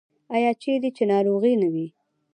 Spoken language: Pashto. آیا چیرې چې ناروغي نه وي؟